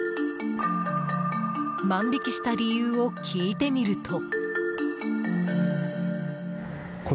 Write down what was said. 万引きした理由を聞いてみると。